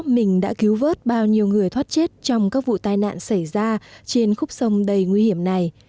mình đã cứu vớt bao nhiêu người thoát chết trong các vụ tai nạn xảy ra trên khúc sông đầy nguy hiểm này